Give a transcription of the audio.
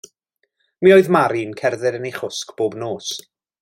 Mi oedd Mari'n cerdded yn ei chwsg bob nos.